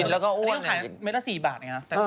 แล้วมีลูกสาวเลยเป็นตุ๊ดขึ้นทุกวัน